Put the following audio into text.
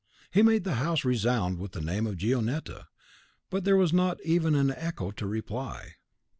He made the house resound with the name of Gionetta, but there was not even an echo to reply.